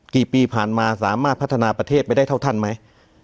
กี่ปีผ่านมาสามารถพัฒนาประเทศไปได้เท่าท่านไหม